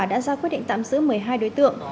đã ra quyết định tạm giữ một mươi hai đối tượng